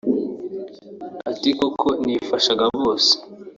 Ati “Kuko nifashaga byose